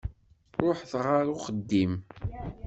Ṛuḥet ɣer uxeddim.